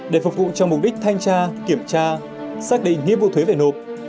để phục vụ trong mục đích thanh tra kiểm tra xác định nhiệm vụ thuế về nộp